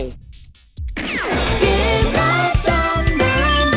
เกมรับจำนำ